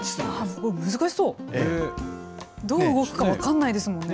どう動くか分かんないですもんね。